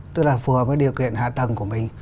tức là phù hợp với điều kiện hạ tầng của mình